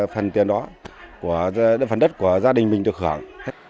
thần tiền đó phần đất của gia đình mình được hưởng